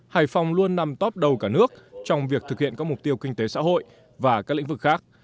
hải phòng luôn nằm top đầu cả nước trong việc thực hiện các mục tiêu kinh tế xã hội và các lĩnh vực khác